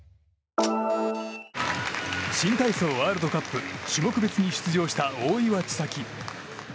新体操ワールドカップ種目別に出場した大岩千未来。